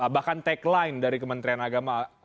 bahkan tagline dari kementerian agama